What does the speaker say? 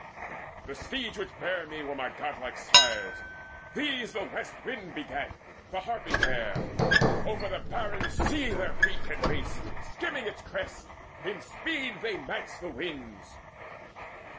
The steeds which bear me were my godlike sire's; These the West wind begat, the Harpy bare: Over the barren sea their feet can race Skimming its crests: in speed they match the winds.